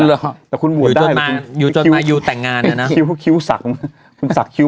หรอแต่คุณบวชได้อยู่จนมาอยู่แต่งงานแล้วนะคิ้วคิ้วสักคุณสักคิ้ว